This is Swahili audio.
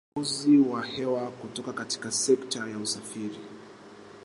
uchafuzi wa hewa kutoka kwa sekta ya usafiri